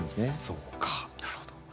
そうかなるほど。